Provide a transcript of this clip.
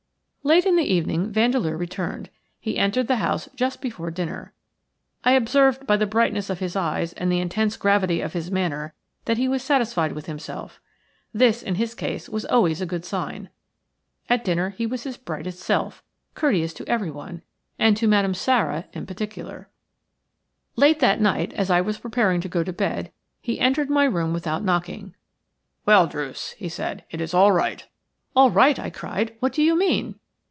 Late in the evening Vandeleur returned. He entered the house just before dinner. I observed by the brightness of his eyes and the intense gravity of his manner that he was satisfied with himself. This in his case was always a good sign. At dinner he was his brightest self, courteous to everyone, and to Madame Sara in particular. Late that night, as I was preparing to go to bed, he entered my room without knocking. "Well, Druce," he said, "it is all right." "All right!" I cried; "what do you mean?"